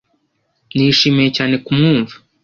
Nishimiye cyane kumwumva.